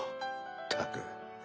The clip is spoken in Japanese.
ったく。